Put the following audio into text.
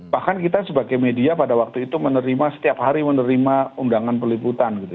bahkan kita sebagai media pada waktu itu menerima setiap hari menerima undangan peliputan gitu